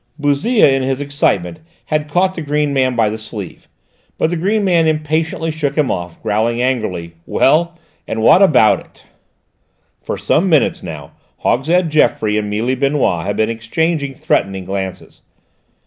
Bouzille in his excitement had caught the green man by the sleeve, but the green man impatiently shook him off, growling angrily. "Well, and what about it?" For some minutes now Hogshead Geoffroy and Mealy Benoît had been exchanging threatening glances.